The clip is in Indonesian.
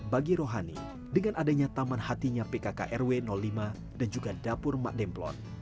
bagi rohani dengan adanya taman hatinya pkk rw lima dan juga dapur mak demplon